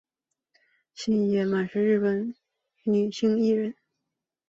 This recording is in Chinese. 星野满是日本的女性艺人。